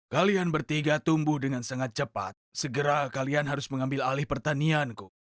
kalian bertiga tumbuh dengan sangat cepat segera kalian harus mengambil alih pertanianku